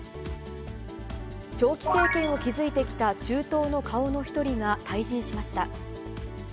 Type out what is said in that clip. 長期政権を築いてきた中東の顔の１人が退陣しました。